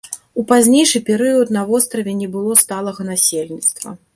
У пазнейшы перыяд на востраве не было сталага насельніцтва.